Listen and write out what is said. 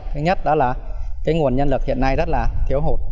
thứ nhất đó là cái nguồn nhân lực hiện nay rất là thiếu hụt